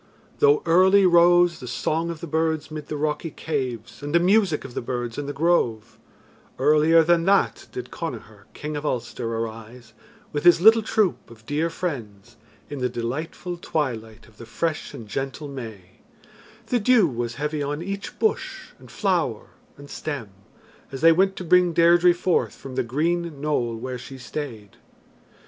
Though early rose the song of the birds mid the rocky caves and the music of the birds in the grove, earlier than that did Connachar, King of Ulster, arise, with his little troop of dear friends, in the delightful twilight of the fresh and gentle May; the dew was heavy on each bush and flower and stem, as they went to bring Deirdre forth from the green knoll where she stayed.